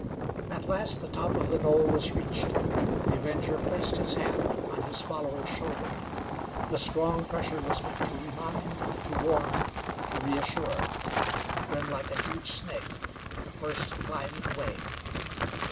At last the top of the knoll was reached. The Avenger placed his hand on his follower's shoulder. The strong pressure was meant to remind, to warn, to reassure. Then, like a huge snake, the first glided away.